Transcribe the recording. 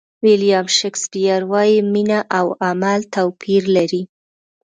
ویلیام شکسپیر وایي مینه او عمل توپیر لري.